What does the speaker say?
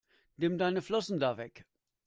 Nimm deine Flossen da weg!